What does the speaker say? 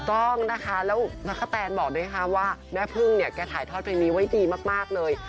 ช่องนะคะแล้วก็กะแถนบอกด้วยว่าแม่เพิ่งเนี่ยในรับท่อเพลงนี้ไว้ดีมากเลย